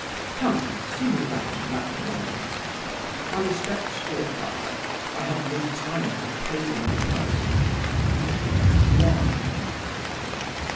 Come and see me mount Black Norman. My respects to your father. I have no time to pay them in person. One!"